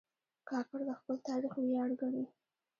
کاکړ د خپل تاریخ ویاړ ګڼي.